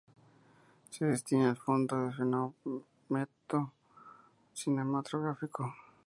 Se destina al Fondo de Fomento Cinematográfico.